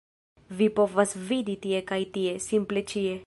Vi povas vidi tie kaj tie - simple ĉie